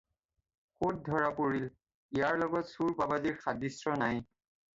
ক'ত ধৰা পৰিল! ইয়াৰ লগত চোৰ বাবজীৰ সাদৃশ্য নাই।